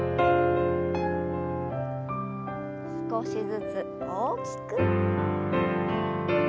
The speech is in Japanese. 少しずつ大きく。